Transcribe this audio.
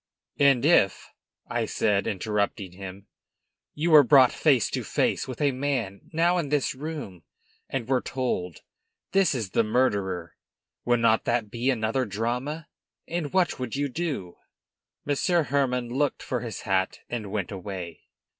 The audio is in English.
"And if," I said, interrupting him, "you were brought face to face with a man now in this room, and were told, 'This is the murderer!' would not that be another drama? And what would you do?" Monsieur Hermann looked for his hat and went away.